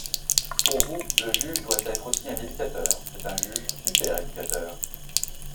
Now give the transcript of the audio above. Pour vous, le juge doit être aussi un éducateur, c’est un juge super-éducateur.